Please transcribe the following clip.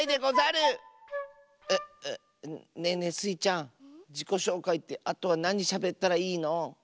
うっうっねえねえスイちゃんじこしょうかいってあとはなにしゃべったらいいの？